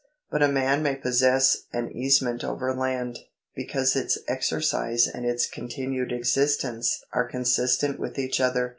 But a man may possess an easement over land, because its exercise and its continued existence are consistent with each other.